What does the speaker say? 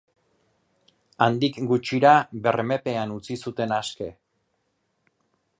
Handik gutxira bermepean utzi zuten aske.